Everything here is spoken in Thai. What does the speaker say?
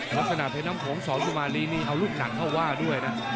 ลักษณะเพชรน้ำโขงสอนสุมารีนี่เอาลูกหนักเข้าว่าด้วยนะ